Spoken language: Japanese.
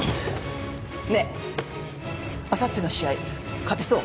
ねえあさっての試合勝てそう？